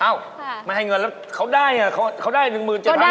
อ้าวมาให้เงินแล้วเขาได้ไงเขาได้๑๗๐๐๐บาทเพราะว่า